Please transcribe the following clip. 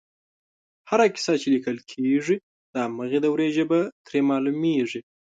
هره کیسه چې لیکل کېږي د هماغې دورې ژبه ترې معلومېږي